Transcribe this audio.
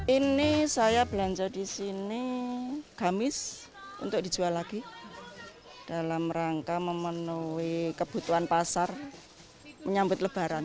ini saya belanja di sini gamis untuk dijual lagi dalam rangka memenuhi kebutuhan pasar menyambut lebaran